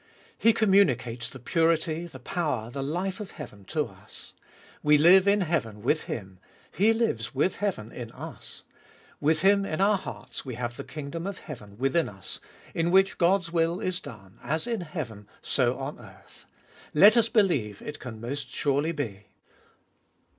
He communicates the purity, the power, the life of heaven to us. We Hue in heaven with Him; He lives with heaven in us. With Him in our hearts we have the kingdom of heaven within us, in which Gods wil, is done, as in heaven, so on earth. Let us believe it can most surely be.